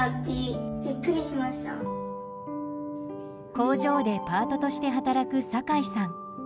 工場でパートとして働く坂井さん。